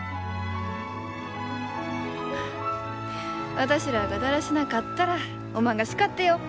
私らあがだらしなかったらおまんが叱ってよ。